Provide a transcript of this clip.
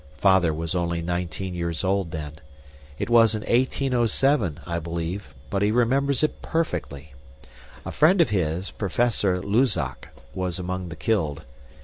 Father was only nineteen years old then. It was in 1807, I believe, but he remembers it perfectly. A friend of his, Professor Luzac, was among the killed.